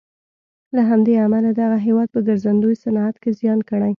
له همدې امله دغه هېواد په ګرځندوی صنعت کې زیان کړی.